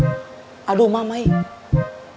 jangan jangan nanti rifki juga punya pemikiran sama kayak ale ya